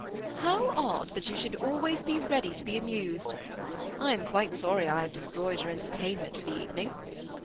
'' How odd that yon should always be ready to be amused ! I am quite sorry I have destroyed your eo^ tertainment for the evening.